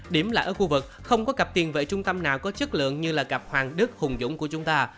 điểm là ở khu vực không có cặp tiền vệ trung tâm nào có chất lượng như là cặp hoàng đức hùng dũng của chúng ta